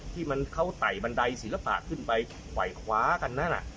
ที่มันเขาไต่บันไดศิลปะขึ้นไปไหวคว้ากันนั้น